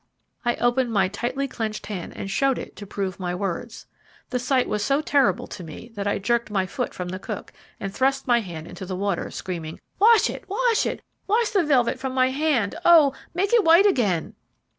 I opened my tightly clenched hand and showed it to prove my words. The sight was so terrible to me that I jerked my foot from the cook, and thrust my hand into the water, screaming, "Wash it! Wash it! Wash the velvet from my hand! Oh! make it white again!"